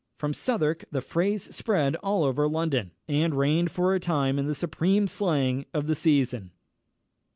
From Southwark the phrase spread over all London, and reigned for a time the supreme slang of the season.